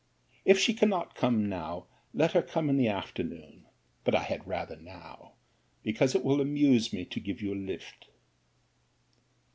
If she cannot come now, let her come in the afternoon; but I had rather now, because it will amuse me to give you a lift.